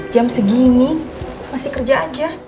jam segini masih kerja aja